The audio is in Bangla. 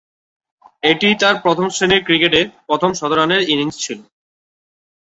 এটিই তার প্রথম-শ্রেণীর ক্রিকেটে প্রথম শতরানের ইনিংস ছিল।